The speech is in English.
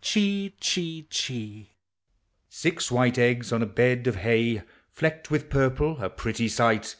Chee, chee, chee. Six white eggs on a bed of hay, Flecked with purple, a pretty sight!